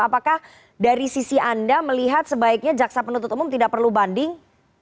apakah dari sisi anda melihat sebaiknya jaksa penuntut umum tidak perlu banding